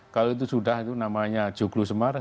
kalau itu sudah namanya joglusemar